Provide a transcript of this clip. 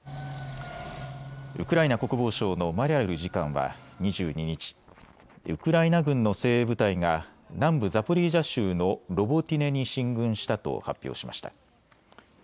ウクライナ国防省のマリャル次官は２２日、ウクライナ軍の精鋭部隊が南部ザポリージャ州のロボティネに進軍したと発表しました。